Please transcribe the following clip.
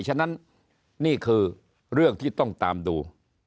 ฉะนั้นนี่คือเรื่องที่ต้องตามดู